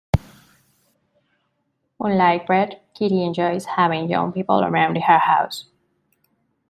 Unlike Red, Kitty enjoys having young people around her house.